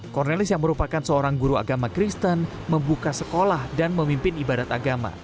cornelis yang merupakan seorang guru agama kristen membuka sekolah dan memimpin ibarat agama